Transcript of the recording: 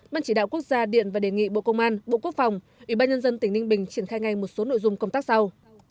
ban chỉ đạo quốc gia điện và đề nghị bộ công an bộ quốc phòng ủy ban nhân dân tỉnh ninh bình triển khai ngay một số nội dung công tác sau